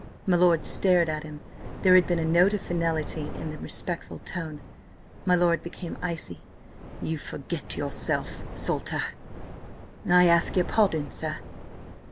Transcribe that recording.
My lord stared at him. There had been a note of finality in the respectful tone. My lord became icy. "You forget yourself, Salter." "I ask your pardon, sir."